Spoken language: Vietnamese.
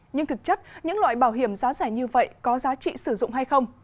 nhưng thực chất những loại bảo hiểm giá rẻ như vậy có giá trị sử dụng hay không